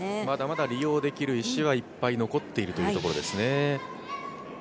まだまだ利用できる石はいっぱい残っているというところですね。